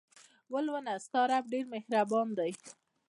ولوله او ستا رب ډېر مهربان دى.